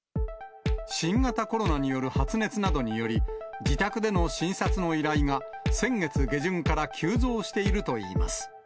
新型コロナによる発熱などにより、自宅での診察の依頼が先月下旬から急増しているといいます。